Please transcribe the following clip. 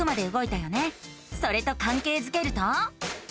それとかんけいづけると。